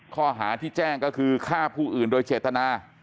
ข้อหาที่แจ้งก็คือฆ่าผู้อื่นโดยเจตนา